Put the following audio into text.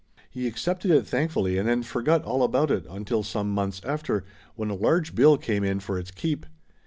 He accepted it thankfully and then forgot all about it until some months after, when a large bill came in for its keep.